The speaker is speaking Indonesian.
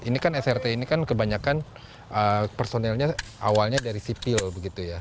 ini kan srt ini kan kebanyakan personilnya awalnya dari sipil begitu ya